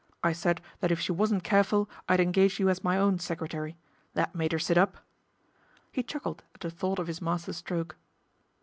" I said that if she wasn't careful I'd engage you as my own secretary. That made 'er sit up." He chuckled at the thought of his master stroke.